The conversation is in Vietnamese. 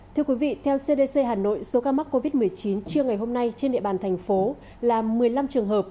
thưa quý vị theo cdc hà nội số ca mắc covid một mươi chín trưa ngày hôm nay trên địa bàn thành phố là một mươi năm trường hợp